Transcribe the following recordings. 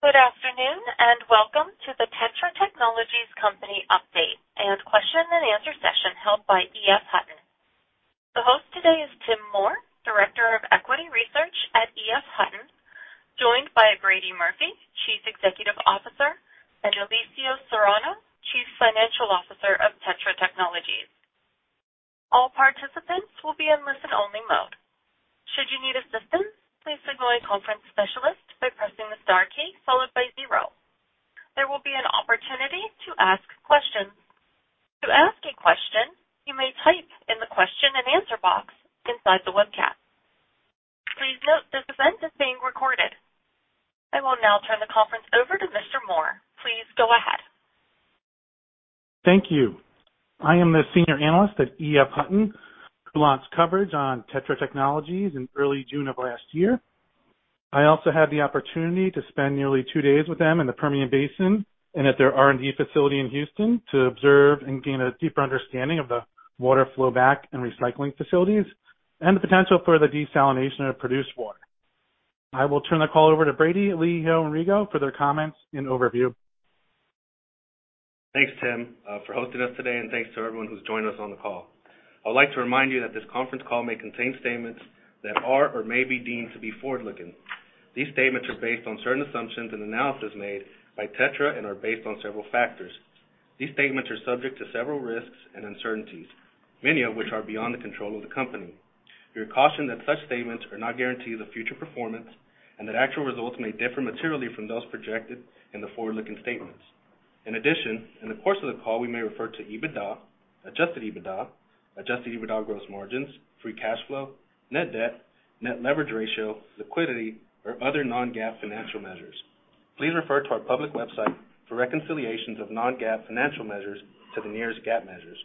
Good afternoon, Welcome to the TETRA Technologies Company update and question and answer session held by EF Hutton. The host today is Tim Moore, Director of Equity Research at EF Hutton, joined by Brady Murphy, Chief Executive Officer, and Elijio Serrano, Chief Financial Officer of TETRA Technologies. All participants will be in listen-only mode. Should you need assistance, please signal a conference specialist by pressing the star key followed by zero. There will be an opportunity to ask questions. To ask a question, you may type in the question and answer box inside the web chat. Please note this event is being recorded. I will now turn the conference over to Mr. Moore. Please go ahead. Thank you. I am the senior analyst at EF Hutton, who launched coverage on TETRA Technologies in early June of last year. I also had the opportunity to spend nearly two days with them in the Permian Basin and at their R&D facility in Houston to observe and gain a deeper understanding of the water flow back and recycling facilities and the potential for the desalination of produced water. I will turn the call over to Brady, Elijio, and Rigo for their comments and overview. Thanks, Tim, for hosting us today. Thanks to everyone who's joined us on the call. I'd like to remind you that this conference call may contain statements that are or may be deemed to be forward-looking. These statements are based on certain assumptions and analysis made by TETRA and are based on several factors. These statements are subject to several risks and uncertainties, many of which are beyond the control of the company. We are cautioned that such statements are not guarantees of future performance and that actual results may differ materially from those projected in the forward-looking statements. In addition, in the course of the call, we may refer to EBITDA, Adjusted EBITDA, Adjusted EBITDA gross margins, free cash flow, net debt, net leverage ratio, liquidity, or other non-GAAP financial measures. Please refer to our public website for reconciliations of non-GAAP financial measures to the nearest GAAP measures.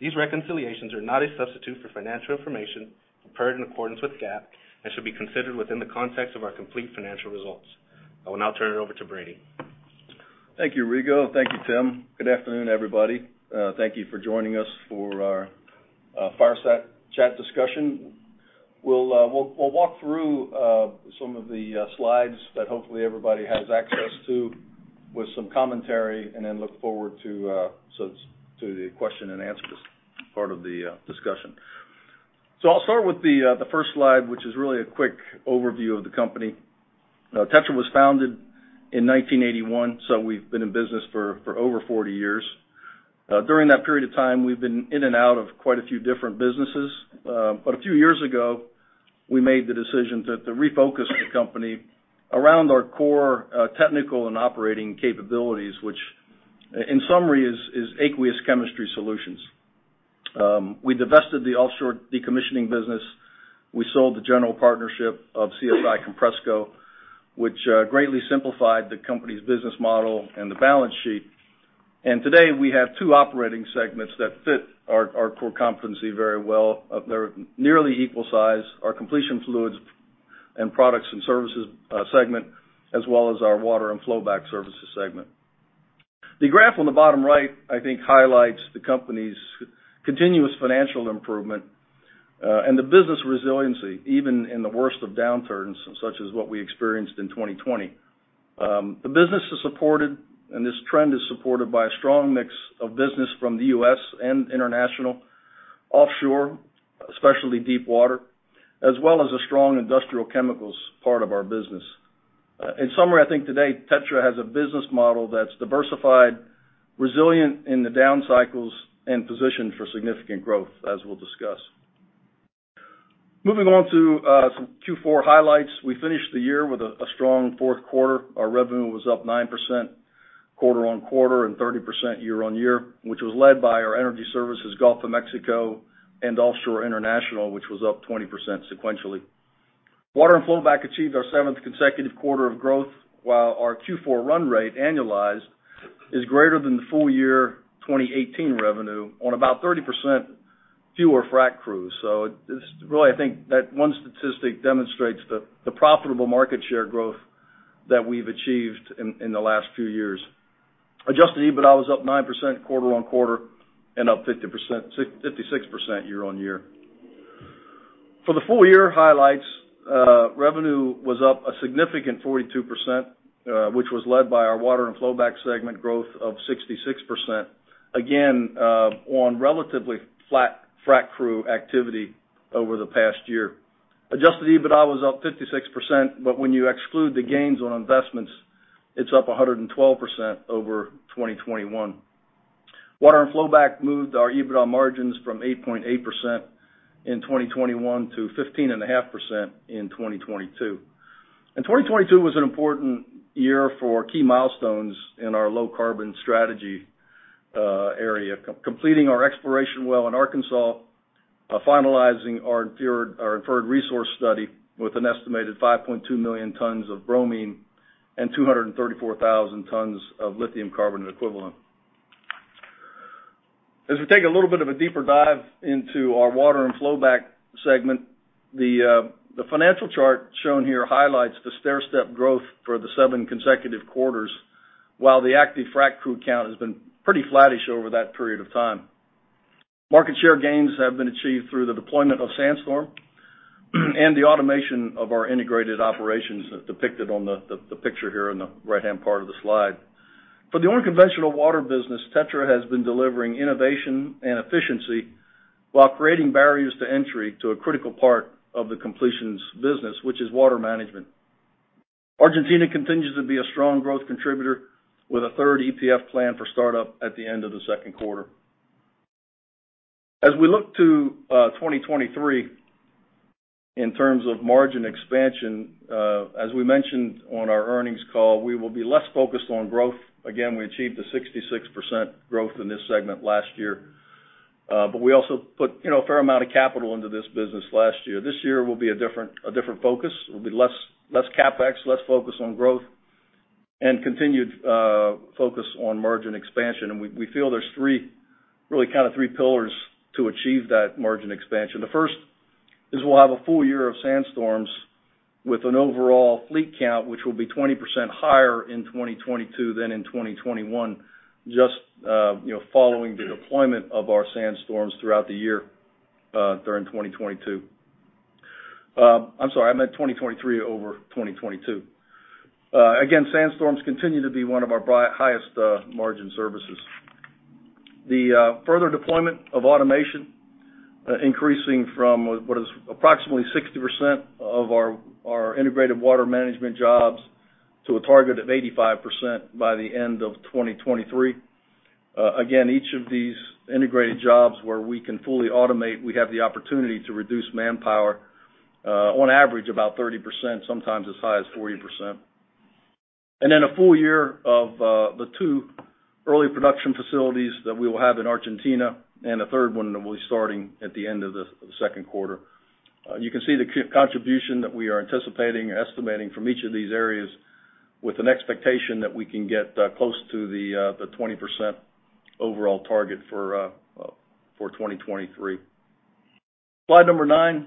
These reconciliations are not a substitute for financial information prepared in accordance with GAAP and should be considered within the context of our complete financial results. I will now turn it over to Brady. Thank you, Rigo. Thank you, Tim. Good afternoon, everybody. Thank you for joining us for our fireside chat discussion. We'll walk through some of the slides that hopefully everybody has access to with some commentary and then look forward to the question and answers part of the discussion. I'll start with the first slide, which is really a quick overview of the company. TETRA was founded in 1981, so we've been in business for over 40 years. During that period of time, we've been in and out of quite a few different businesses. But a few years ago, we made the decision to refocus the company around our core technical and operating capabilities, which in summary is aqueous chemistry solutions. We divested the offshore decommissioning business. We sold the general partnership of CSI Compressco, which greatly simplified the company's business model and the balance sheet. Today, we have two operating segments that fit our core competency very well. They're nearly equal size, our completion fluids and products and services segment, as well as our water and flowback services segment. The graph on the bottom right, I think, highlights the company's continuous financial improvement and the business resiliency, even in the worst of downturns, such as what we experienced in 2020. The business is supported, and this trend is supported by a strong mix of business from the U.S. and international, offshore, especially deep water, as well as a strong industrial chemicals part of our business. In summary, I think today TETRA has a business model that's diversified, resilient in the down cycles, and positioned for significant growth, as we'll discuss. Moving on to some Q4 highlights. We finished the year with a strong fourth quarter. Our revenue was up 9% quarter-on-quarter and 30% year-on-year, which was led by our energy services Gulf of Mexico and offshore international, which was up 20% sequentially. Water and flowback achieved our seventh consecutive quarter of growth, while our Q4 run rate annualized is greater than the full year 2018 revenue on about 30% fewer frac crews. It's really, I think that one statistic demonstrates the profitable market share growth that we've achieved in the last few years. Adjusted EBITDA was up 9% quarter-on-quarter and up 56% year-on-year. For the full year highlights, revenue was up a significant 42%, which was led by our water and flowback segment growth of 66%, again, on relatively flat frac crew activity over the past year. Adjusted EBITDA was up 56%, but when you exclude the gains on investments, it's up 112% over 2021. Water and flowback moved our EBITDA margins from 8.8% in 2021 to 15.5% in 2022. 2022 was an important year for key milestones in our low carbon strategy area, completing our exploration well in Arkansas, finalizing our inferred resource study with an estimated 5.2 million tons of bromine and 234,000 tons of lithium carbon equivalent. As we take a little bit of a deeper dive into our water and flowback segment, the financial chart shown here highlights the stairstep growth for the seven consecutive quarters, while the active frac crew count has been pretty flattish over that period of time. Market share gains have been achieved through the deployment of Sandstorm and the automation of our integrated operations as depicted on the picture here in the right-hand part of the slide. For the unconventional water business, TETRA has been delivering innovation and efficiency while creating barriers to entry to a critical part of the completions business, which is water management. Argentina continues to be a strong growth contributor with a third EPF plan for startup at the end of the second quarter. As we look to 2023 in terms of margin expansion, as we mentioned on our earnings call, we will be less focused on growth. Again, we achieved a 66% growth in this segment last year, but we also put, you know, a fair amount of capital into this business last year. This year will be a different focus. There'll be less CapEx, less focus on growth and continued focus on margin expansion. We feel there's really kind of three pillars to achieve that margin expansion. The first is we'll have a full year of Sandstorms with an overall fleet count, which will be 20% higher in 2022 than in 2021, just, you know, following the deployment of our Sandstorms throughout the year, during 2022. I'm sorry, I meant 2023 over 2022. Again, Sandstorms continue to be one of our highest margin services. The further deployment of automation, increasing from what is approximately 60% of our integrated water management jobs to a target of 85% by the end of 2023. Again, each of these integrated jobs where we can fully automate, we have the opportunity to reduce manpower, on average about 30%, sometimes as high as 40%. Then a full year of the two early production facilities that we will have in Argentina and a third one that we'll be starting at the end of the second quarter. You can see the contribution that we are anticipating, estimating from each of these areas with an expectation that we can get close to the 20% overall target for 2023. Slide nine,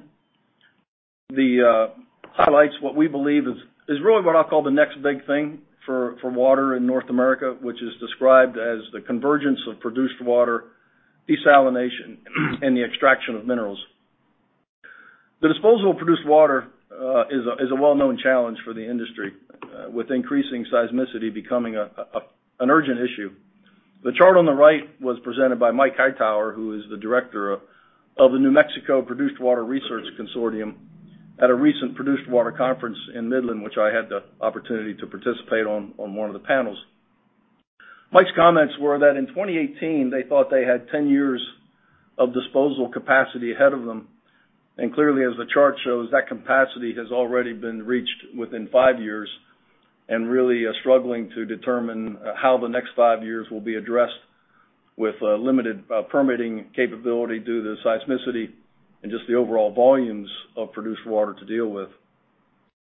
the highlights what we believe is really what I'll call the next big thing for water in North America, which is described as the convergence of produced water, desalination, and the extraction of minerals. The disposal of produced water is a well-known challenge for the industry with increasing seismicity becoming an urgent issue. The chart on the right was presented by Mike Hightower, who is the Director of the New Mexico Produced Water Research Consortium at a recent Produced Water Conference in Midland, which I had the opportunity to participate on one of the panels. Mike's comments were that in 2018, they thought they had 10 years of disposal capacity ahead of them. Clearly, as the chart shows, that capacity has already been reached within five years and really are struggling to determine how the next five years will be addressed with limited permitting capability due to seismicity and just the overall volumes of produced water to deal with.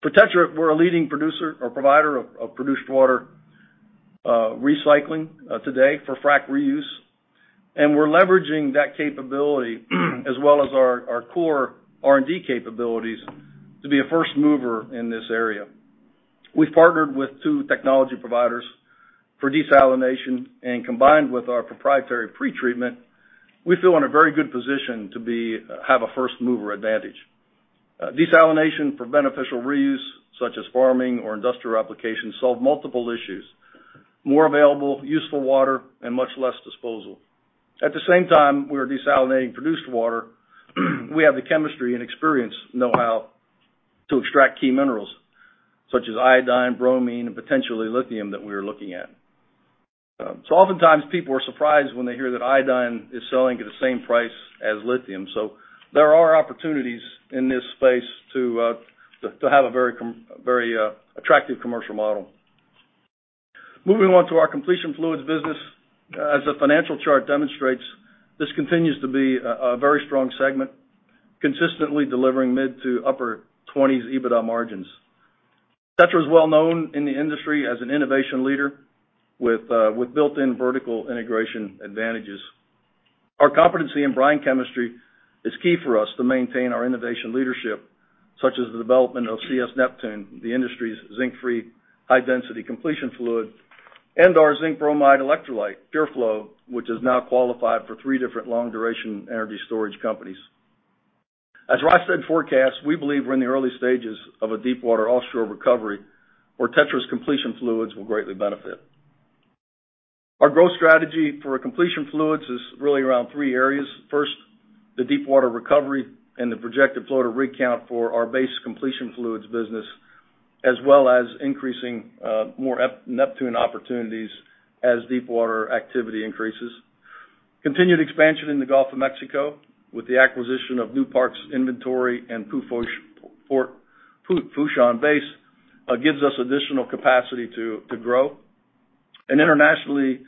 For TETRA, we're a leading producer or provider of produced water, recycling, today for frack reuse, and we're leveraging that capability as well as our core R&D capabilities to be a first mover in this area. We've partnered with two technology providers for desalination, and combined with our proprietary pretreatment, we feel in a very good position to be have a first-mover advantage. Desalination for beneficial reuse, such as farming or industrial applications, solve multiple issues, more available, useful water, and much less disposal. At the same time we're desalinating produced water, we have the chemistry and experience know-how to extract key minerals, such as iodine, bromine, and potentially lithium that we are looking at. Oftentimes people are surprised when they hear that iodine is selling at the same price as lithium. There are opportunities in this space to have a very attractive commercial model. Moving on to our completion fluids business. As the financial chart demonstrates, this continues to be a very strong segment, consistently delivering mid to upper 20s EBITDA margins. TETRA is well known in the industry as an innovation leader with built-in vertical integration advantages. Our competency in brine chemistry is key for us to maintain our innovation leadership, such as the development of CS Neptune, the industry's zinc-free high-density completion fluid, and our zinc bromide electrolyte, PureFlow, which is now qualified for three different long-duration energy storage companies. As Rystad forecasts, we believe we're in the early stages of a deep water offshore recovery where TETRA's completion fluids will greatly benefit. Our growth strategy for completion fluids is really around three areas. First, the deep water recovery and the projected floater rig count for our base completion fluids business, as well as increasing more TETRA CS Neptune opportunities as deep water activity increases. Continued expansion in the Gulf of Mexico with the acquisition of Newpark's inventory and Port Fourchon base gives us additional capacity to grow. Internationally,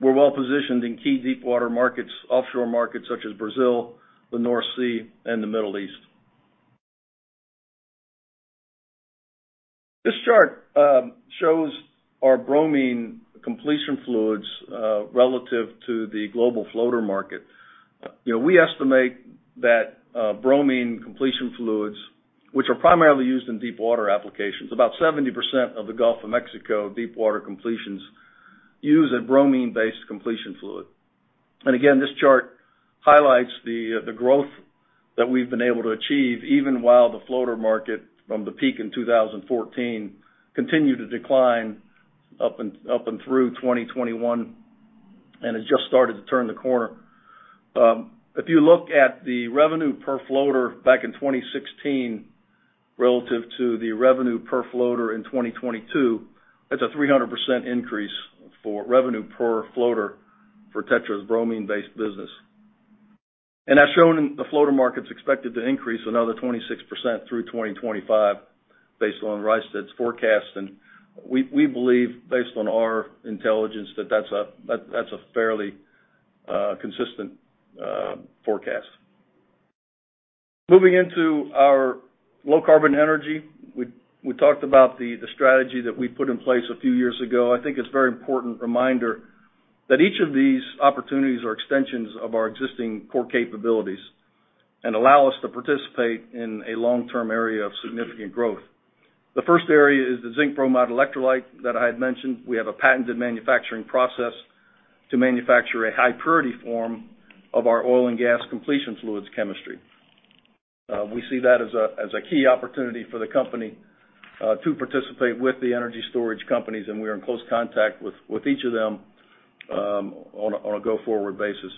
we're well positioned in key deep water markets, offshore markets such as Brazil, the North Sea, and the Middle East. This chart shows our bromine completion fluids relative to the global floater market. You know, we estimate that bromine completion fluids which are primarily used in deep water applications. About 70% of the Gulf of Mexico deep water completions use a bromine-based completion fluid. Again, this chart highlights the growth that we've been able to achieve even while the floater market from the peak in 2014 continued to decline up and through 2021, and it just started to turn the corner. If you look at the revenue per floater back in 2016 relative to the revenue per floater in 2022, that's a 300% increase for revenue per floater for TETRA's bromine-based business. As shown, the floater market's expected to increase another 26% through 2025 based on Rystad's forecast. We believe based on our intelligence that that's a fairly consistent forecast. Moving into our low carbon energy, we talked about the strategy that we put in place a few years ago. I think it's very important reminder that each of these opportunities are extensions of our existing core capabilities and allow us to participate in a long-term area of significant growth. The first area is the zinc bromide electrolyte that I had mentioned. We have a patented manufacturing process to manufacture a high purity form of our oil and gas completion fluids chemistry. We see that as a key opportunity for the company, to participate with the energy storage companies, and we are in close contact with each of them, on a go-forward basis.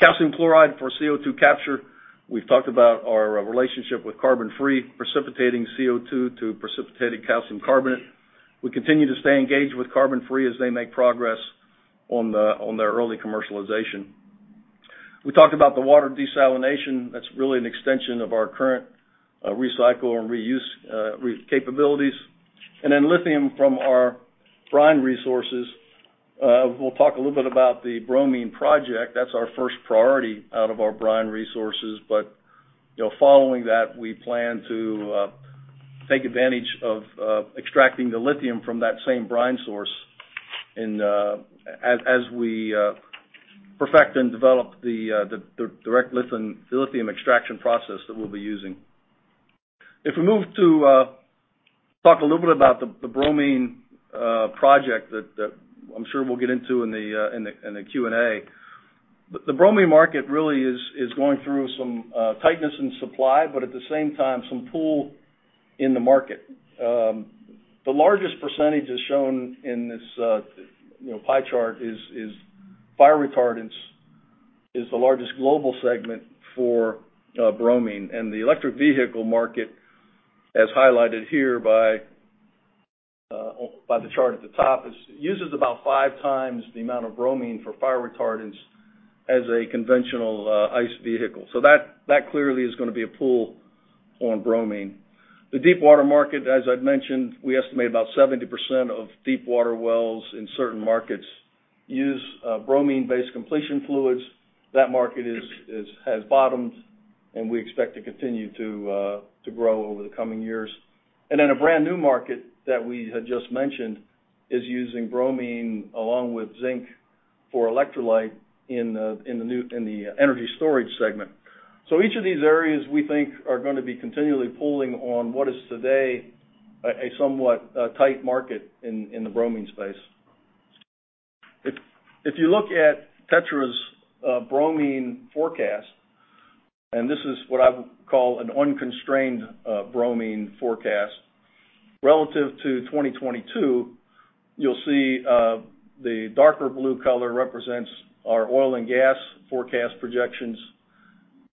Calcium chloride for CO2 capture. We've talked about our relationship with CarbonFree, precipitating CO2 to precipitating calcium carbonate. We continue to stay engaged with CarbonFree as they make progress on their early commercialization. We talked about the water desalination. That's really an extension of our current recycle and reuse capabilities. Lithium from our brine resources. We'll talk a little bit about the bromine project. That's our first priority out of our brine resources. You know, following that, we plan to take advantage of extracting the lithium from that same brine source as we perfect and develop the direct lithium extraction process that we'll be using. If we move to talk a little bit about the bromine project that I'm sure we'll get into in the Q&A. The bromine market really is going through some tightness in supply, but at the same time, some pull in the market. The largest percentage shown in this pie chart is fire retardants is the largest global segment for bromine. The electric vehicle market, as highlighted here by the chart at the top, uses about 5x the amount of bromine for fire retardants as a conventional ICE vehicle. That, that clearly is gonna be a pull on bromine. The deep water market, as I'd mentioned, we estimate about 70% of deep water wells in certain markets use bromine-based completion fluids. That market has bottomed, and we expect to continue to grow over the coming years. A brand new market that we had just mentioned is using bromine along with zinc for electrolyte in the energy storage segment. Each of these areas we think are gonna be continually pulling on what is today a somewhat tight market in the bromine space. If you look at TETRA's bromine forecast, and this is what I would call an unconstrained bromine forecast. Relative to 2022, you'll see the darker blue color represents our oil and gas forecast projections,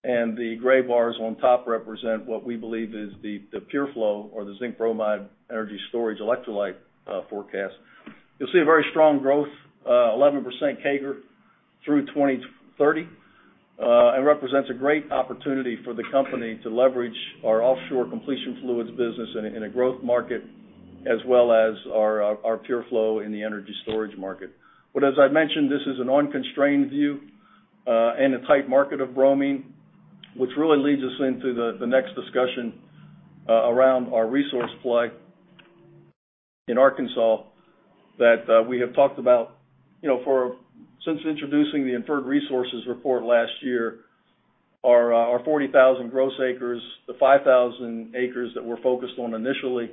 and the gray bars on top represent what we believe is the PureFlow or the zinc bromide energy storage electrolyte forecast. You'll see a very strong growth, 11% CAGR through 2030. It represents a great opportunity for the company to leverage our offshore completion fluids business in a growth market, as well as our PureFlow in the energy storage market. As I'd mentioned, this is an unconstrained view, and a tight market of bromine, which really leads us into the next discussion, around our resource play in Arkansas that, we have talked about, you know, for since introducing the inferred resources report last year. Our, our 40,000 gross acres. The 5,000 acres that we're focused on initially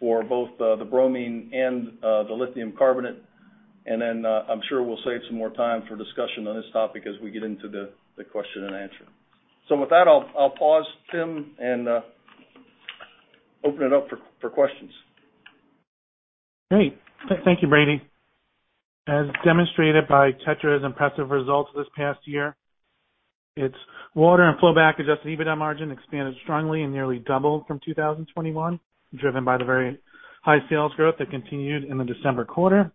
for both, the bromine and, the lithium carbonate. Then, I'm sure we'll save some more time for discussion on this topic as we get into the question and answer. With that, I'll pause, Tim, and, open it up for questions. Great. Thank you, Brady. As demonstrated by TETRA's impressive results this past year, its water and flowback-Adjusted EBITDA margin expanded strongly and nearly doubled from 2021, driven by the very high sales growth that continued in the December quarter.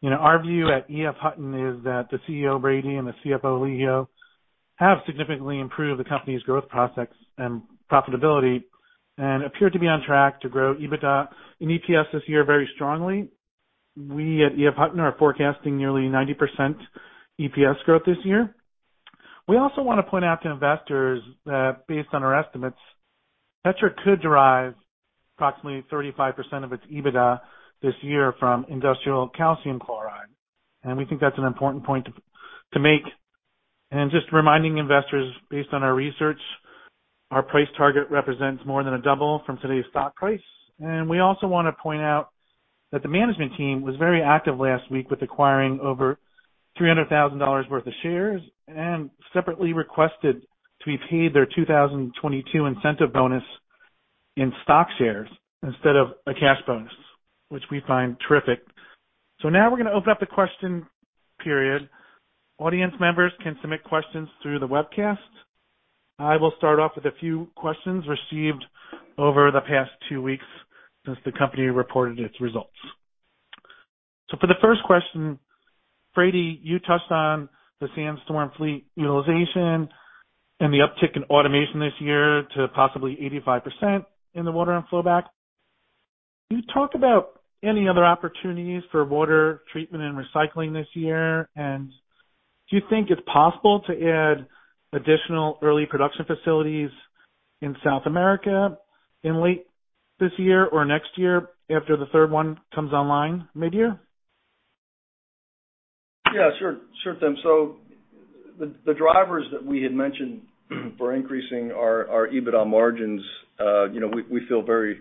You know, our view at EF Hutton is that the CEO, Brady, and the CFO, Leo, have significantly improved the company's growth prospects and profitability and appear to be on track to grow EBITDA and EPS this year very strongly. We at EF Hutton are forecasting nearly 90% EPS growth this year. We also wanna point out to investors that based on our estimates, TETRA could derive approximately 35% of its EBITDA this year from industrial calcium chloride. We think that's an important point to make. Just reminding investors based on our research, our price target represents more than a double from today's stock price. We also wanna point out that the management team was very active last week with acquiring over $300,000 worth of shares, and separately requested to be paid their 2022 incentive bonus in stock shares instead of a cash bonus, which we find terrific. Now we're gonna open up the question period. Audience members can submit questions through the webcast. I will start off with a few questions received over the past two weeks since the company reported its results. For the first question, Brady, you touched on the Sandstorm fleet utilization and the uptick in automation this year to possibly 85% in the water and flowback. Can you talk about any other opportunities for water treatment and recycling this year? Do you think it's possible to add additional early production facilities in South America in late this year or next year after the third one comes online midyear? Yeah, sure. Sure, Tim. The drivers that we had mentioned for increasing our EBITDA margins, you know, we feel very,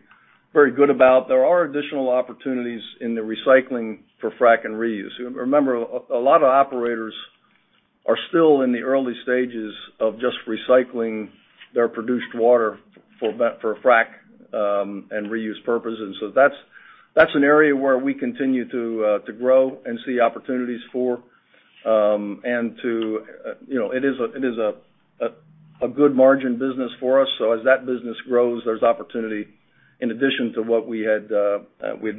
very good about. There are additional opportunities in the recycling for frac and reuse. Remember, a lot of operators are still in the early stages of just recycling their produced water for frac and reuse purposes. That's an area where we continue to grow and see opportunities for, and to, you know, it is a good margin business for us. As that business grows, there's opportunity in addition to what we had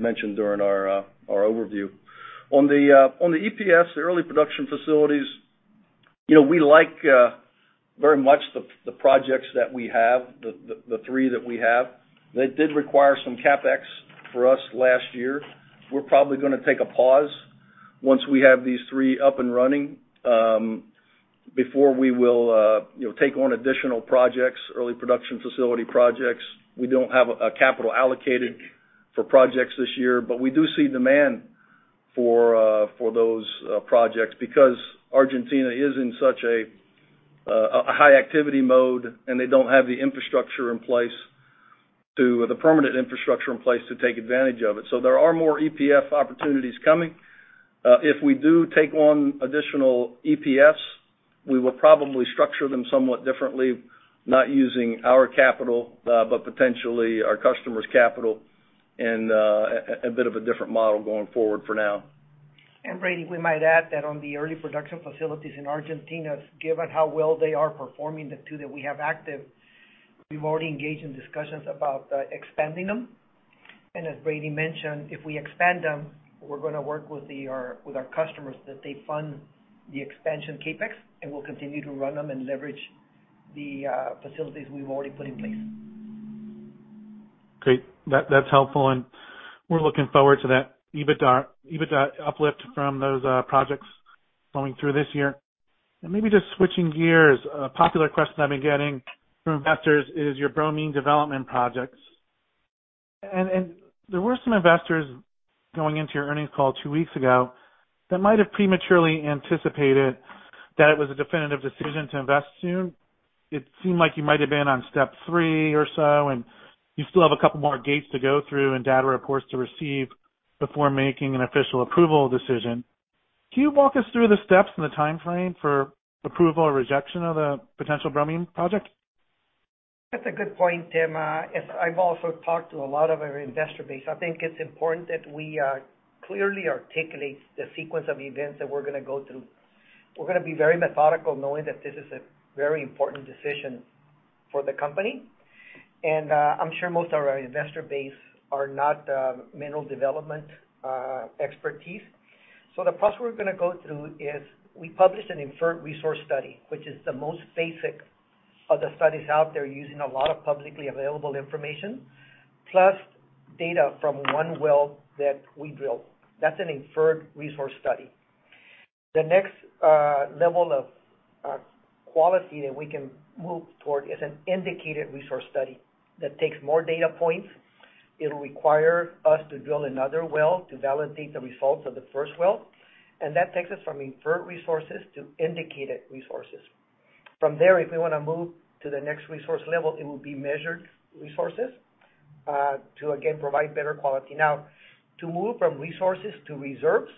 mentioned during our overview. On the on the EPFs, the early production facilities, you know, we like very much the projects that we have, the three that we have. They did require some CapEx for us last year. We're probably going to take a pause once we have these three up and running, before we will, you know, take on additional projects, early production facility projects. We don't have a capital allocated for projects this year. We do see demand for for those projects because Argentina is in such a high activity mode, and they don't have the infrastructure in place the permanent infrastructure in place to take advantage of it. There are more EPF opportunities coming. If we do take on additional EPFs, we will probably structure them somewhat differently, not using our capital, but potentially our customer's capital and a bit of a different model going forward for now. Brady, we might add that on the early production facilities in Argentina, given how well they are performing, the two that we have active, we've already engaged in discussions about expanding them. As Brady mentioned, if we expand them, we're gonna work with our customers that they fund the expansion CapEx, and we'll continue to run them and leverage the facilities we've already put in place. Great. That's helpful, we're looking forward to that EBITDA uplift from those projects going through this year. Maybe just switching gears, a popular question I've been getting from investors is your bromine development projects. There were some investors going into your earnings call two weeks ago that might have prematurely anticipated that it was a definitive decision to invest soon. It seemed like you might have been on step 3 or so, you still have a couple more gates to go through and data reports to receive before making an official approval decision. Can you walk us through the steps and the timeframe for approval or rejection of the potential bromine project? That's a good point, Tim. As I've also talked to a lot of our investor base, I think it's important that we clearly articulate the sequence of events that we're gonna go through. We're gonna be very methodical knowing that this is a very important decision for the company. I'm sure most of our investor base are not mineral development expertise. The process we're gonna go through is we published an inferred resource study, which is the most basic of the studies out there using a lot of publicly available information, plus data from one well that we built. That's an inferred resource study. The next level of quality that we can move toward is an indicated resource study that takes more data points. It'll require us to drill another well to validate the results of the first well, and that takes us from inferred resources to indicated resources. From there, if we wanna move to the next resource level, it will be measured resources, to again, provide better quality. Now, to move from resources to reserves,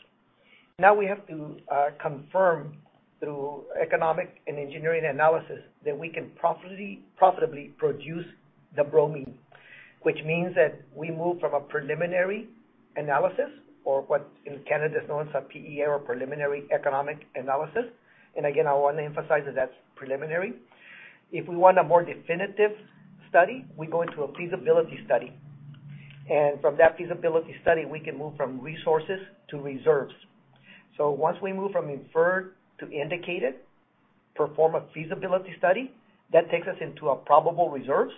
now we have to confirm through economic and engineering analysis that we can profitably produce the bromine. Which means that we move from a preliminary analysis or what in Canada is known as a PEA or preliminary economic analysis. Again, I wanna emphasize that that's preliminary. If we want a more definitive study, we go into a feasibility study. From that feasibility study, we can move from resources to reserves. Once we move from inferred to indicated, perform a feasibility study, that takes us into a probable reserves.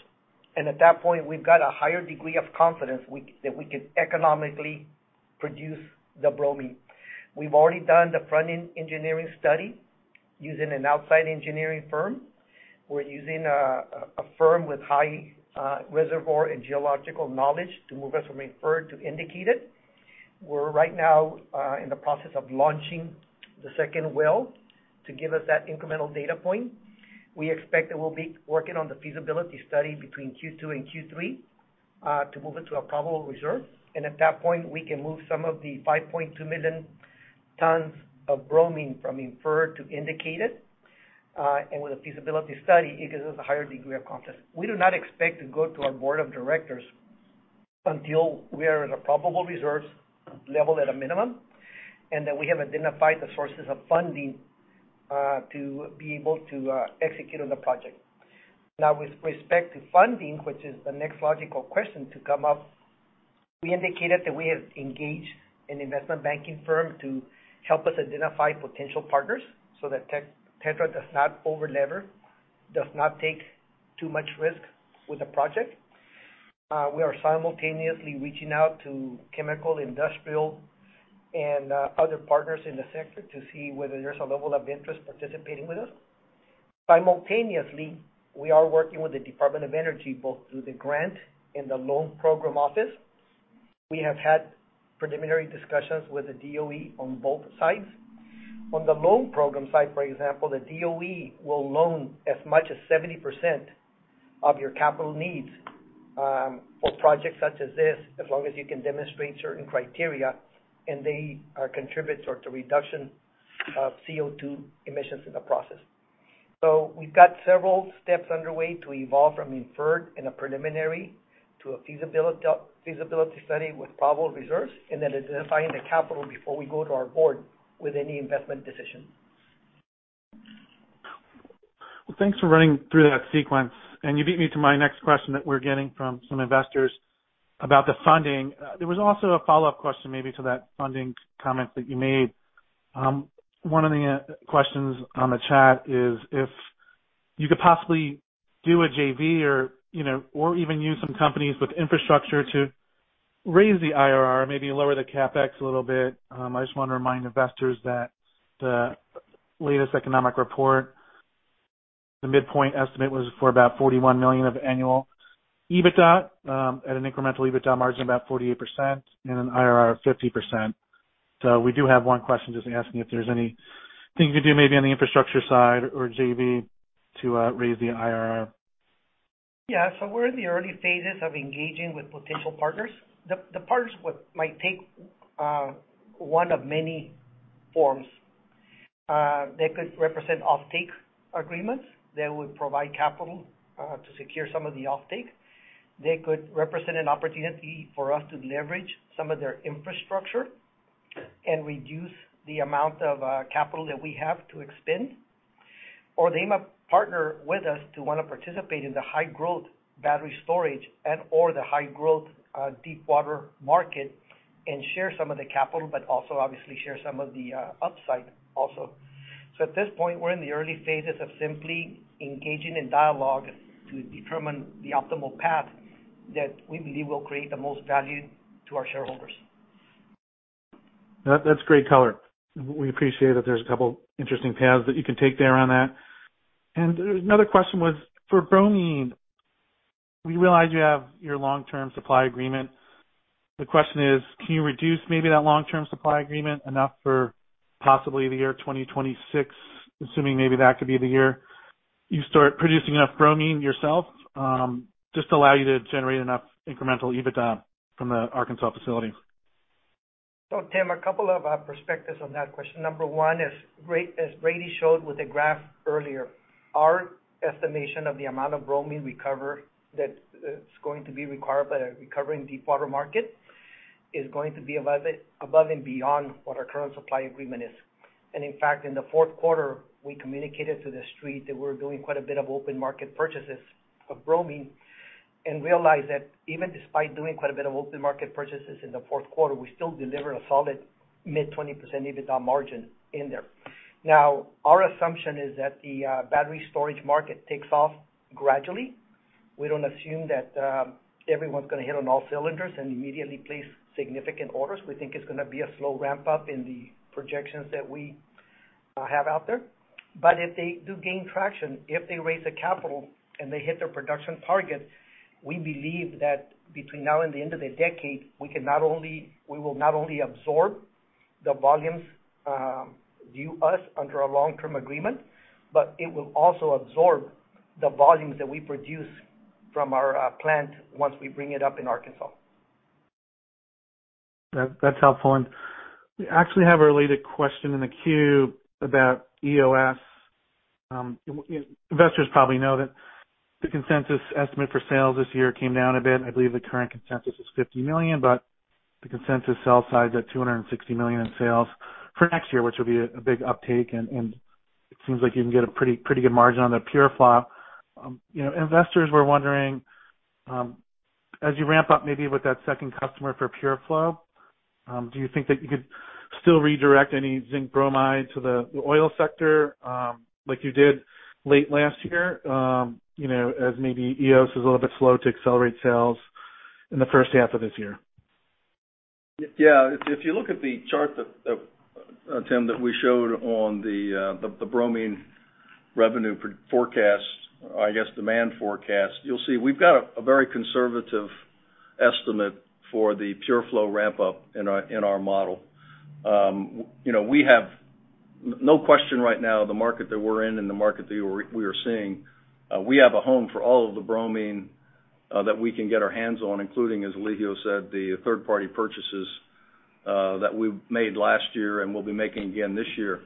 At that point, we've got a higher degree of confidence that we can economically produce the bromine. We've already done the front-end engineering study using an outside engineering firm. We're using a firm with high reservoir and geological knowledge to move us from inferred to indicated. We're right now in the process of launching the second well to give us that incremental data point. We expect that we'll be working on the feasibility study between Q2 and Q3 to move it to a probable reserve. At that point, we can move some of the 5.2 million tons of bromine from inferred to indicated. With a feasibility study, it gives us a higher degree of confidence. We do not expect to go to our board of directors until we are at a probable reserves level at a minimum, and that we have identified the sources of funding to be able to execute on the project. With respect to funding, which is the next logical question to come up, we indicated that we have engaged an investment banking firm to help us identify potential partners so that TETRA does not over-lever, does not take too much risk with the project. We are simultaneously reaching out to chemical, industrial, and other partners in the sector to see whether there's a level of interest participating with us. Simultaneously, we are working with the Department of Energy, both through the grant and the loan program office. We have had preliminary discussions with the DOE on both sides. On the loan program side, for example, the DOE will loan as much as 70% of your capital needs for projects such as this, as long as you can demonstrate certain criteria, and they contribute towards the reduction of CO2 emissions in the process. We've got several steps underway to evolve from inferred in a preliminary to a feasibility study with probable reserves, and then identifying the capital before we go to our board with any investment decision. Well, thanks for running through that sequence. You beat me to my next question that we're getting from some investors about the funding. There was also a follow-up question maybe to that funding comment that you made. One of the questions on the chat is if you could possibly do a JV or, you know, or even use some companies with infrastructure to raise the IRR, maybe lower the CapEx a little bit. I just wanna remind investors that the latest economic report, the midpoint estimate was for about $41 million of annual EBITDA at an incremental EBITDA margin of about 48% and an IRR of 50%. We do have one question just asking if there's anything you could do maybe on the infrastructure side or JV to raise the IRR. Yeah. We're in the early phases of engaging with potential partners. The partners might take one of many forms. They could represent offtake agreements that would provide capital to secure some of the offtake. They could represent an opportunity for us to leverage some of their infrastructure and reduce the amount of capital that we have to expend. They might partner with us to wanna participate in the high growth battery storage and/or the high growth Deepwater market and share some of the capital, but also obviously share some of the upside also. At this point, we're in the early phases of simply engaging in dialogue to determine the optimal path that we believe will create the most value to our shareholders. That's great color. We appreciate that there's a couple interesting paths that you can take there on that. Another question was, for bromine, we realize you have your long-term supply agreement. The question is, can you reduce maybe that long-term supply agreement enough for possibly the year 2026, assuming maybe that could be the year you start producing enough bromine yourself, just to allow you to generate enough incremental EBITDA from the Arkansas facility? Tim, a couple of perspectives on that question. Number one, as Brady showed with the graph earlier, our estimation of the amount of bromine we cover that is going to be required by the recovering Deepwater market is going to be above and beyond what our current supply agreement is. In fact, in the fourth quarter, we communicated to the street that we're doing quite a bit of open market purchases of bromine and realized that even despite doing quite a bit of open market purchases in the fourth quarter, we still deliver a solid mid 20% EBITDA margin in there. Our assumption is that the battery storage market takes off gradually. We don't assume that everyone's gonna hit on all cylinders and immediately place significant orders. We think it's gonna be a slow ramp-up in the projections that we have out there. If they do gain traction, if they raise the capital and they hit their production target, we believe that between now and the end of the decade, we will not only absorb the volumes due us under our long-term agreement, but it will also absorb the volumes that we produce from our plant once we bring it up in Arkansas. That's helpful. We actually have a related question in the queue about EOS. Investors probably know that the consensus estimate for sales this year came down a bit. I believe the current consensus is $50 million, but the consensus sell side is at $260 million in sales for next year, which will be a big uptake. It seems like you can get a pretty good margin on the TETRA PureFlow. You know, investors were wondering, as you ramp up maybe with that second customer for TETRA PureFlow, do you think that you could still redirect any zinc bromide to the oil sector, like you did late last year, you know, as maybe EOS is a little bit slow to accelerate sales in the first half of this year? Yeah. If you look at the chart that Tim that we showed on the bromine revenue forecast, or I guess demand forecast, you'll see we've got a very conservative estimate for the PureFlow ramp up in our model. You know, we have no question right now the market that we're in and the market that we are seeing, we have a home for all of the bromine that we can get our hands on, including, as Elijio said, the third party purchases that we made last year and we'll be making again this year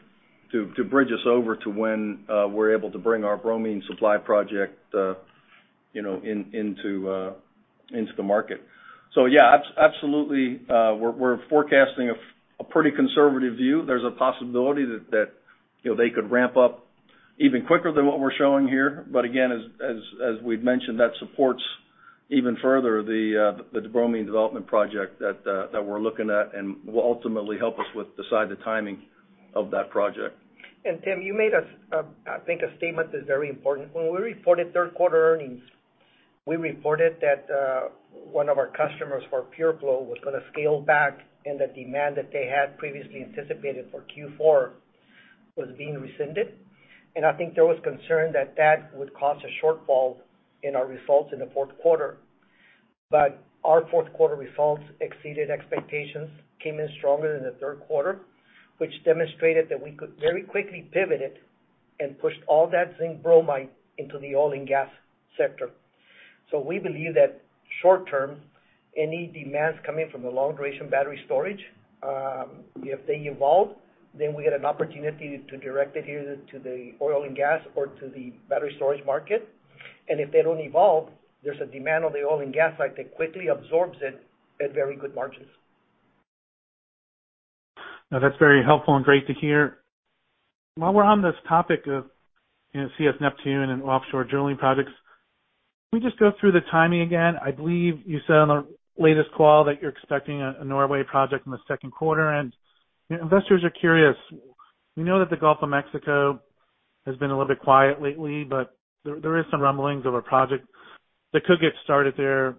to bridge us over to when we're able to bring our bromine supply project, you know, into the market. Yeah, absolutely, we're forecasting a pretty conservative view. There's a possibility that, you know, they could ramp up even quicker than what we're showing here. Again, as we'd mentioned, that supports even further the bromine development project that we're looking at and will ultimately help us with decide the timing of that project. Tim, you made a, I think a statement that's very important. When we reported third quarter earnings, we reported that one of our customers for PureFlow was gonna scale back and the demand that they had previously anticipated for Q4 was being rescinded. I think there was concern that that would cause a shortfall in our results in the fourth quarter. Our fourth quarter results exceeded expectations, came in stronger than the third quarter, which demonstrated that we could very quickly pivot it and pushed all that zinc bromide into the oil and gas sector. We believe that short term, any demands coming from the long duration battery storage, if they evolve, then we get an opportunity to direct it either to the oil and gas or to the battery storage market. If they don't evolve, there's a demand on the oil and gas side that quickly absorbs it at very good margins. No, that's very helpful and great to hear. While we're on this topic of, you know, CS Neptune and offshore drilling projects, can we just go through the timing again? I believe you said on the latest call that you're expecting a Norway project in the second quarter. You know, investors are curious. We know that the Gulf of Mexico has been a little bit quiet lately, but there is some rumblings of a project that could get started there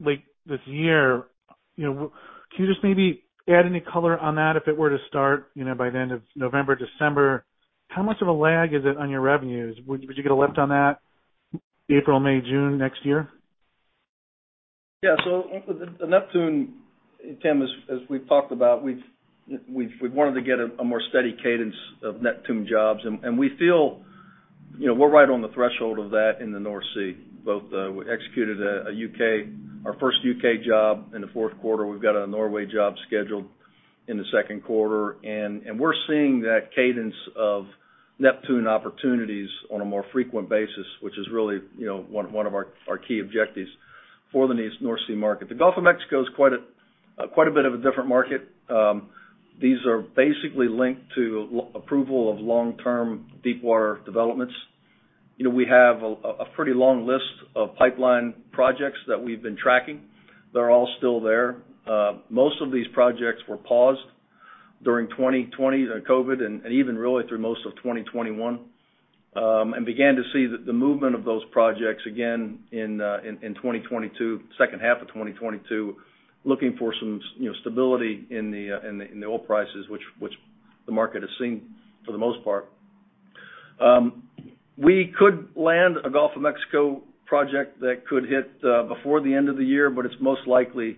late this year. You know, can you just maybe add any color on that if it were to start, you know, by the end of November, December? How much of a lag is it on your revenues? Would you get a lift on that April, May, June next year? With the Neptune, Tim, as we've talked about, we've wanted to get a more steady cadence of Neptune jobs. We feel, you know, we're right on the threshold of that in the North Sea. Both we executed a U.K. our first U.K. job in the fourth quarter. We've got a Norway job scheduled in the second quarter. We're seeing that cadence of Neptune opportunities on a more frequent basis, which is really, you know, one of our key objectives for the North Sea market. The Gulf of Mexico is quite a, quite a bit of a different market. These are basically linked to approval of long-term Deepwater developments. You know, we have a pretty long list of pipeline projects that we've been tracking. They're all still there. Most of these projects were paused during 2020, the COVID, and even really through most of 2021. Began to see the movement of those projects again in 2022, second half of 2022, looking for some you know, stability in the oil prices, which the market has seen for the most part. We could land a Gulf of Mexico project that could hit before the end of the year, but it's most likely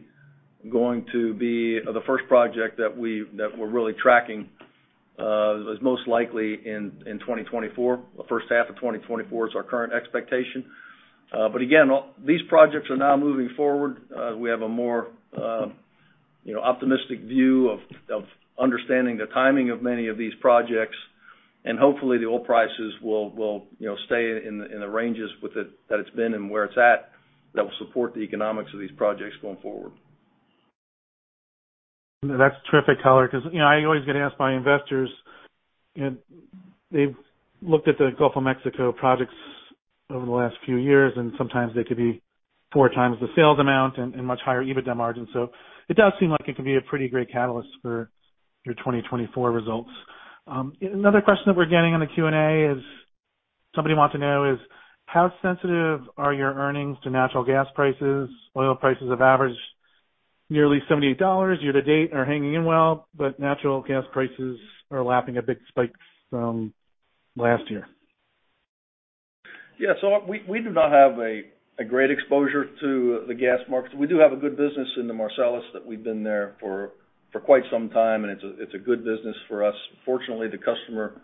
going to be the first project that we're really tracking is most likely in 2024. The first half of 2024 is our current expectation. But again, all these projects are now moving forward. We have a more, you know, optimistic view of understanding the timing of many of these projects. Hopefully the oil prices will, you know, stay in the, in the ranges with it that it's been and where it's at that will support the economics of these projects going forward. That's terrific color 'cause, you know, I always get asked by investors, you know, they've looked at the Gulf of Mexico projects over the last few years, and sometimes they could be 4x the sales amount and much higher EBITDA margins. It does seem like it could be a pretty great catalyst for your 2024 results. Another question that we're getting in the Q&A is, somebody wants to know is how sensitive are your earnings to natural gas prices? Oil prices have averaged nearly $78 year-to-date and are hanging in well, natural gas prices are lapping at big spikes from last year. Yeah. We do not have a great exposure to the gas markets. We do have a good business in the Marcellus that we've been there for quite some time. It's a good business for us. Fortunately, the customer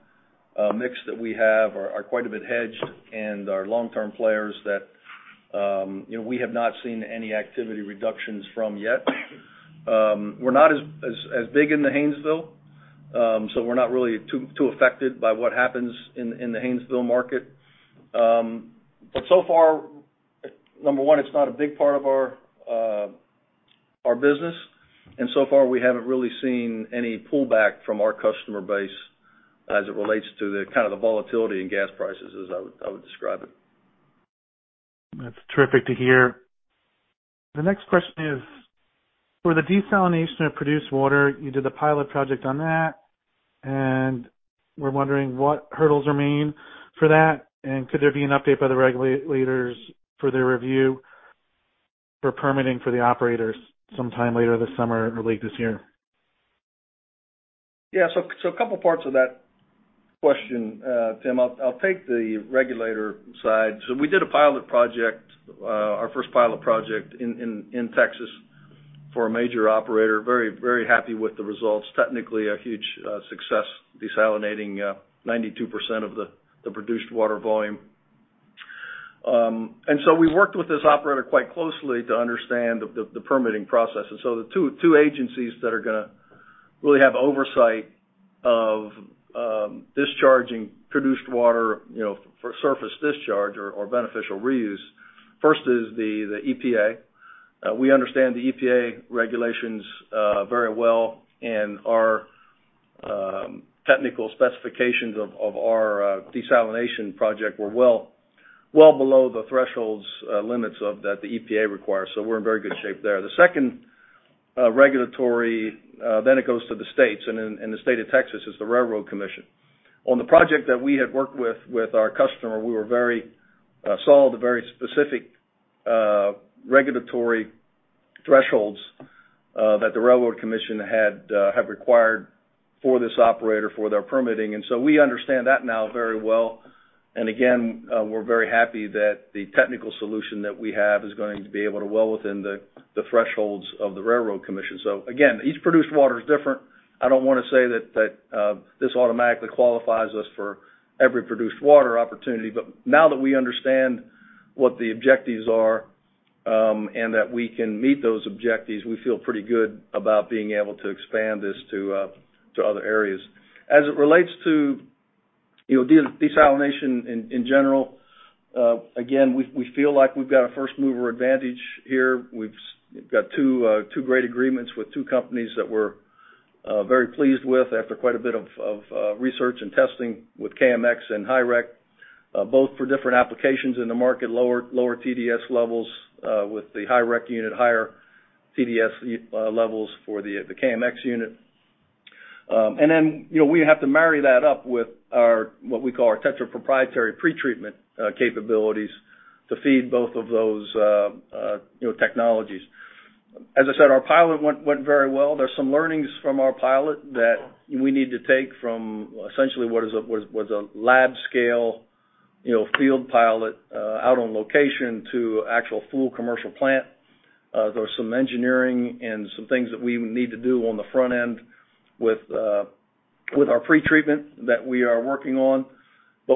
mix that we have are quite a bit hedged and are long-term players that, you know, we have not seen any activity reductions from yet. We're not as big in the Haynesville. We're not really too affected by what happens in the Haynesville market. So far, number one, it's not a big part of our business, and so far we haven't really seen any pullback from our customer base as it relates to the kind of the volatility in gas prices as I would describe it. That's terrific to hear. The next question is, for the desalination of produced water, you did a pilot project on that. We're wondering what hurdles remain for that. Could there be an update by the regulators for their review for permitting for the operators sometime later this summer or late this year? Yeah. A couple parts of that question, Tim. I'll take the regulator side. We did a pilot project, our first pilot project in Texas for a major operator. Very happy with the results. Technically, a huge success, desalinating 92% of the produced water volume. We worked with this operator quite closely to understand the permitting process. The two agencies that are gonna really have oversight of discharging produced water, you know, for surface discharge or beneficial reuse. First is the EPA. We understand the EPA regulations very well, and our technical specifications of our desalination project were well below the thresholds limits of that the EPA requires. We're in very good shape there. The second regulatory, it goes to the states, in the state of Texas is the Railroad Commission. On the project that we had worked with our customer, we were very solid, very specific regulatory thresholds that the Railroad Commission had have required for this operator for their permitting. We understand that now very well. Again, we're very happy that the technical solution that we have is going to be able to well within the thresholds of the Railroad Commission. Again, each produced water is different. I don't wanna say that this automatically qualifies us for every produced water opportunity, but now that we understand what the objectives are, and that we can meet those objectives, we feel pretty good about being able to expand this to other areas. As it relates to, you know, desalination in general, again, we feel like we've got a first-mover advantage here. We've got two great agreements with two companies that we're very pleased with after quite a bit of research and testing with KMX and Hyrec, both for different applications in the market. Lower TDS levels with the Hyrec unit, higher TDS levels for the KMX unit. And then, you know, we have to marry that up with our, what we call our TETRA proprietary pretreatment capabilities to feed both of those, you know, technologies. As I said, our pilot went very well. There's some learnings from our pilot that we need to take from essentially what was a lab scale, you know, field pilot out on location to actual full commercial plant. There are some engineering and some things that we need to do on the front end with our pretreatment that we are working on.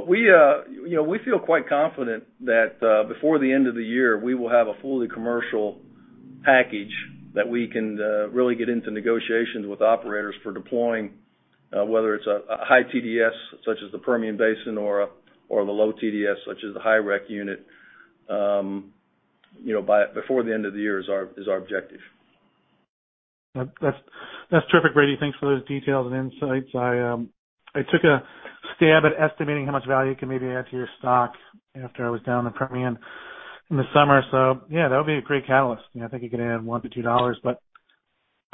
We, you know, we feel quite confident that before the end of the year, we will have a fully commercial package that we can really get into negotiations with operators for deploying whether it's a high TDS such as the Permian Basin or the low TDS such as the Hyrec unit. You know, before the end of the year is our objective. That's terrific, Brady. Thanks for those details and insights. I took a stab at estimating how much value it can maybe add to your stock after I was down in the Permian in the summer. Yeah, that would be a great catalyst. You know, I think you could add $1-$2.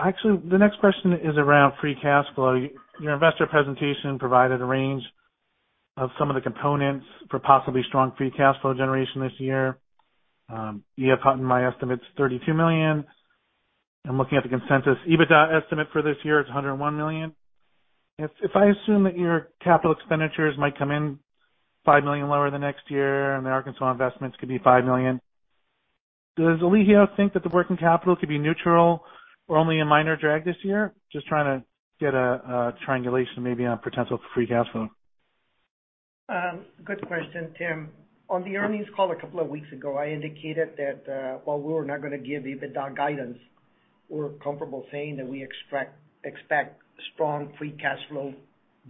Actually, the next question is around free cash flow. Your investor presentation provided a range of some of the components for possibly strong free cash flow generation this year. You have caught in my estimates, $32 million. I'm looking at the consensus EBITDA estimate for this year, it's $101 million. If I assume that your capital expenditures might come in $5 million lower the next year and the Arkansas investments could be $5 million, does Elijio think that the working capital could be neutral or only a minor drag this year? Just trying to get a triangulation maybe on potential free cash flow. Good question, Tim. On the earnings call a couple of weeks ago, I indicated that while we were not gonna give EBITDA guidance, we're comfortable saying that we expect strong free cash flow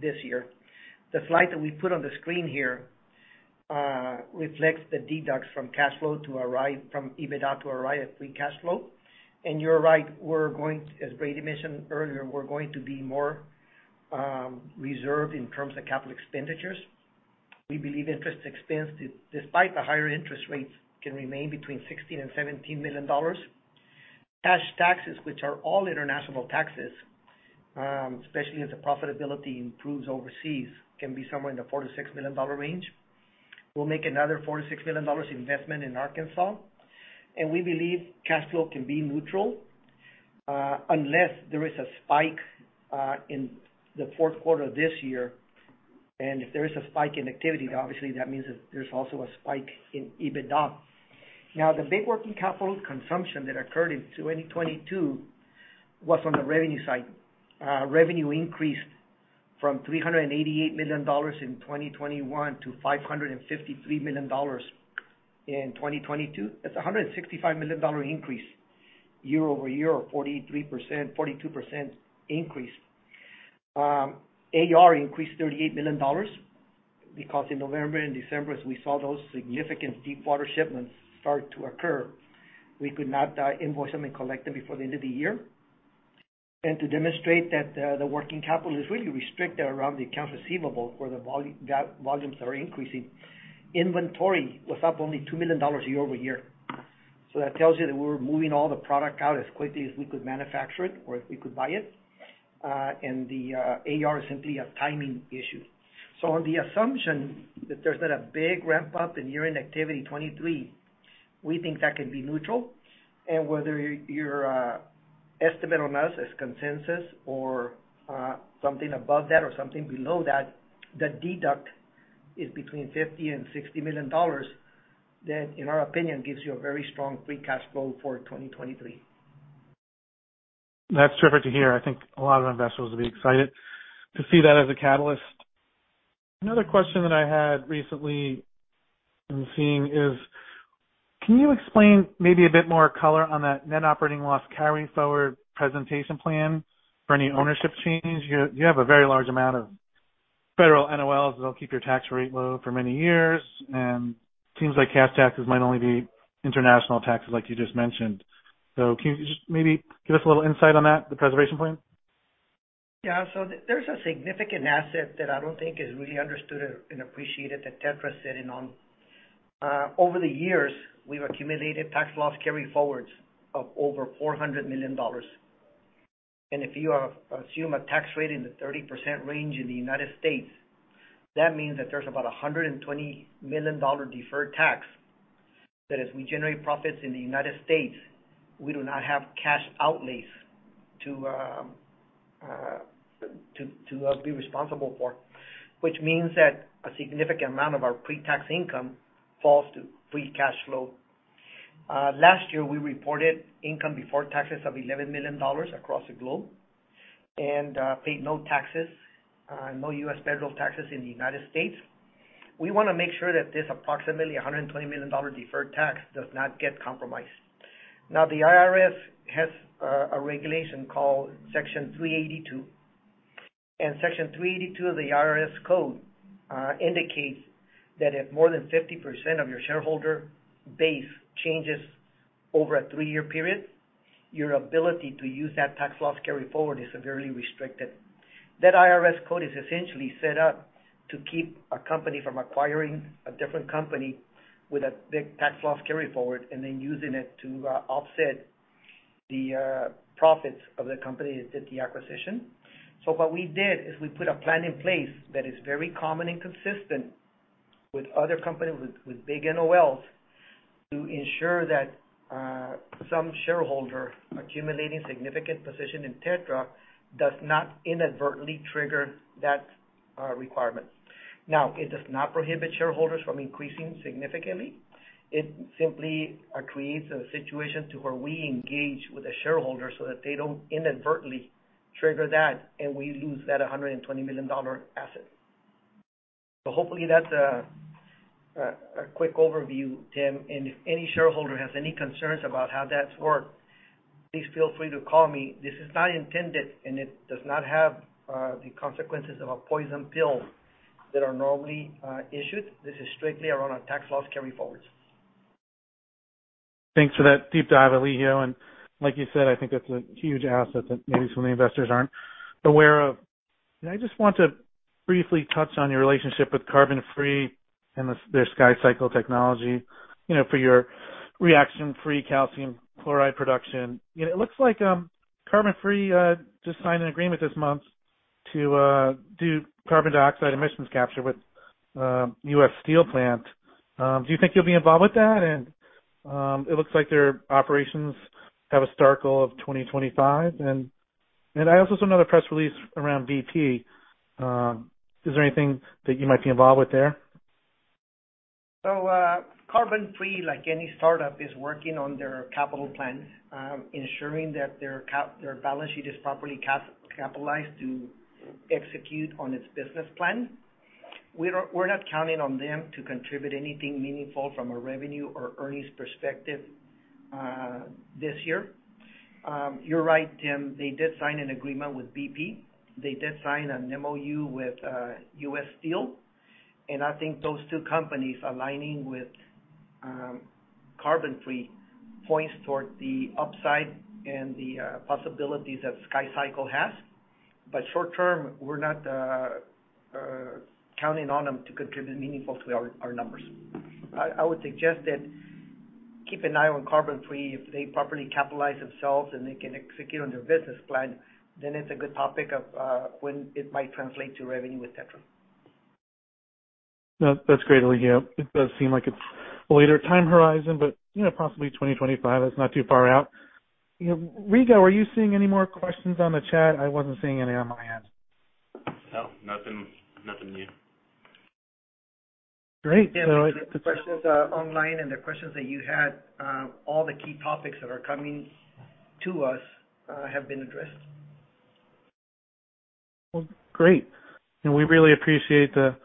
this year. The slide that we put on the screen here reflects the deducts from cash flow to arrive from EBITDA to arrive at free cash flow. You're right, as Brady mentioned earlier, we're going to be more reserved in terms of capital expenditures. We believe interest expense, despite the higher interest rates, can remain between $16 million and $17 million. Cash taxes, which are all international taxes, especially as the profitability improves overseas, can be somewhere in the $4 million-$6 million range. We'll make another $4 million-$6 million investment in Arkansas. We believe cash flow can be neutral unless there is a spike in the fourth quarter of this year. If there is a spike in activity, obviously, that means that there's also a spike in EBITDA. The big working capital consumption that occurred in 2022 was on the revenue side. Revenue increased from $388 million in 2021 to $553 million in 2022. That's a $165 million increase year-over-year, or 43%, 42% increase. AR increased $38 million because in November and December, as we saw those significant Deepwater shipments start to occur, we could not invoice them and collect them before the end of the year. To demonstrate that the working capital is really restricted around the accounts receivable where the volumes are increasing. Inventory was up only $2 million year-over-year. That tells you that we're moving all the product out as quickly as we could manufacture it or as we could buy it. The AR is simply a timing issue. On the assumption that there's been a big ramp up in urine activity 2023, we think that could be neutral. Whether your estimate on us is consensus or something above that or something below that, the deduct is between $50 million-$60 million, that, in our opinion, gives you a very strong free cash flow for 2023. That's terrific to hear. I think a lot of investors will be excited to see that as a catalyst. Another question that I had recently been seeing is, can you explain maybe a bit more color on that net operating loss carry forward presentation plan for any ownership change? You have a very large amount of federal NOLs that'll keep your tax rate low for many years, seems like cash taxes might only be international taxes, like you just mentioned. Can you just maybe give us a little insight on that, the preservation plan? There's a significant asset that I don't think is really understood and appreciated that TETRA's sitting on. Over the years, we've accumulated tax loss carry forwards of over $400 million. If you assume a tax rate in the 30% range in the United States, that means that there's about a $120 million deferred tax, that as we generate profits in the United States, we do not have cash outlays to be responsible for. Which means that a significant amount of our pre-tax income falls to free cash flow. Last year, we reported income before taxes of $11 million across the globe and paid no taxes, no U.S. federal taxes in the United States. We wanna make sure that this approximately $120 million deferred tax does not get compromised. The IRS has a regulation called Section 382. Section 382 of the IRS code indicates that if more than 50% of your shareholder base changes over a three-year period, your ability to use that tax loss carry forward is severely restricted. That IRS code is essentially set up to keep a company from acquiring a different company with a big tax loss carry forward and then using it to offset the profits of the company that did the acquisition. What we did is we put a plan in place that is very common and consistent with other companies with big NOLs to ensure that some shareholder accumulating significant position in TETRA does not inadvertently trigger that requirement. It does not prohibit shareholders from increasing significantly. It simply creates a situation to where we engage with the shareholders so that they don't inadvertently trigger that and we lose that $120 million asset. Hopefully that's a quick overview, Tim, and if any shareholder has any concerns about how that's worked, please feel free to call me. This is not intended, and it does not have the consequences of a poison pill that are normally issued. This is strictly around our tax loss carry forwards. Thanks for that deep dive, Elijio. Like you said, I think that's a huge asset that maybe some of the investors aren't aware of. I just want to briefly touch on your relationship with CarbonFree and their SkyCycle technology, you know, for your reaction-free calcium chloride production. You know, it looks like CarbonFree just signed an agreement this month to do carbon dioxide emissions capture with US Steel plant. Do you think you'll be involved with that? It looks like their operations have a start goal of 2025. I also saw another press release around BP. Is there anything that you might be involved with there? CarbonFree, like any startup, is working on their capital plan, ensuring that their balance sheet is properly capitalized to execute on its business plan. We're not counting on them to contribute anything meaningful from a revenue or earnings perspective this year. You're right, Tim. They did sign an agreement with BP. They did sign an MOU with US Steel, and I think those two companies aligning with CarbonFree points toward the upside and the possibilities that SkyCycle has. Short term, we're not counting on them to contribute meaningful to our numbers. I would suggest that keep an eye on CarbonFree. If they properly capitalize themselves and they can execute on their business plan, then it's a good topic of when it might translate to revenue with TETRA. No, that's great, Elijio. It does seem like it's a later time horizon, but, you know, possibly 2025, that's not too far out. You know, Rigo, are you seeing any more questions on the chat? I wasn't seeing any on my end. No, nothing. Nothing new. Great. The questions, online and the questions that you had, all the key topics that are coming to us, have been addressed. Well, great. We really appreciate the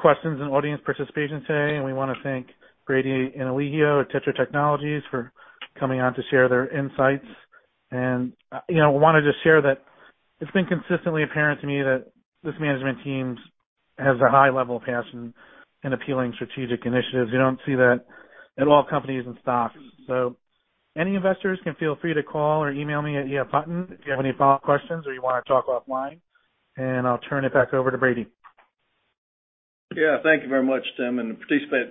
questions and audience participation today, and we wanna thank Brady and Elijio at TETRA Technologies for coming on to share their insights. You know, wanna just share that it's been consistently apparent to me that this management team has a high level of passion and appealing strategic initiatives. You don't see that in all companies and stocks. Any investors can feel free to call or email me at EF Hutton, if you have any follow-up questions or you wanna talk offline, and I'll turn it back over to Brady. Yeah. Thank you very much, Tim and participate.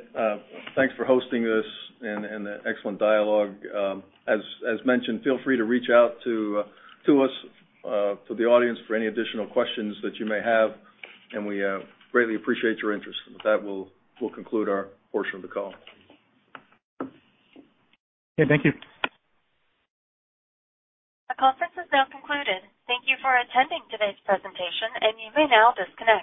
Thanks for hosting this and the excellent dialogue. As mentioned, feel free to reach out to us to the audience for any additional questions that you may have, and we greatly appreciate your interest. With that, we'll conclude our portion of the call. Okay. Thank you. The conference is now concluded. Thank you for attending today's presentation, you may now disconnect.